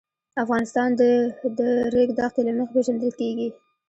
افغانستان د د ریګ دښتې له مخې پېژندل کېږي.